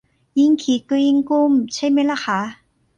ยิ่งคิดก็ยิ่งกลุ้มใช่ไหมล่ะคะ